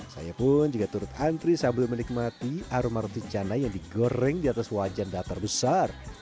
saya pun juga turut antri sambil menikmati aroma roti cana yang digoreng di atas wajan datar besar